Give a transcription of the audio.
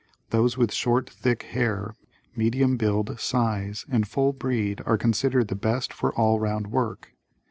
Those with short, thick hair, medium build, size and full breed are considered the best for all around work.